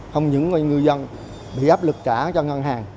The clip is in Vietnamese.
không những ngư dân bị áp lực trả cho ngân hàng